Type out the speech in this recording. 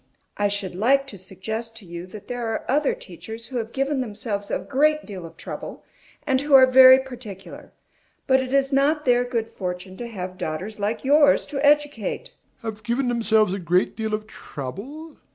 I should like to suggest to you that there are other teachers who have given themselves a great deal of trouble, and who are very particular; but it is not their good fortune to have daughters like yours to educate. DOMINIE. Have given themselves a great deal of trouble?